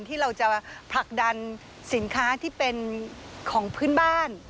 ที่เราจะผลักดันสินค้าที่เป็นของพื้นบ้าน